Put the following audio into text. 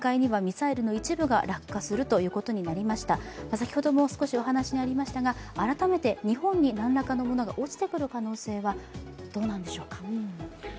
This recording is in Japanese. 先ほどもお話にありましたが、日本に何らかのものが改めて日本に何らかのものが落ちてくる可能性はどうなんでしょうか。